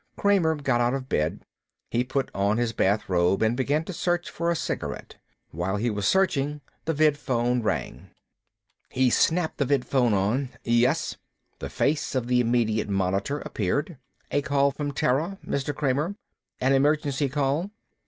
Kramer got out of bed. He put on his bathrobe and began to search for a cigarette. While he was searching, the vidphone rang. He snapped the vidphone on. "Yes?" The face of the immediate monitor appeared. "A call from Terra, Mr. Kramer. An emergency call."